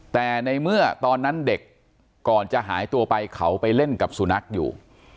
แต่ในเมื่อตอนนั้นเด็กก่อนจะหายตัวไปเขาไปเล่นกับสุนัขอยู่